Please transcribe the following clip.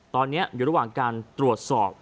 ตอนนี้อยู่ระหว่างการตรวจสอบ